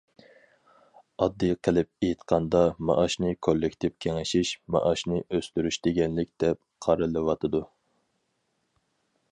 ئاددىي قىلىپ ئېيتقاندا، مائاشنى كوللېكتىپ كېڭىشىش» مائاشنى ئۆستۈرۈش دېگەنلىك«، دەپ قارىلىۋاتىدۇ.